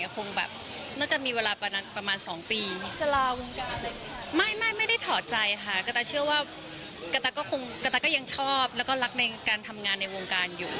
กระตาก็ยังชอบแล้วก็รักในการทำงานในวงการอยู่